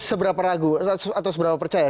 seberapa ragu atau seberapa percaya